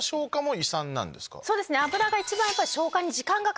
そうですね。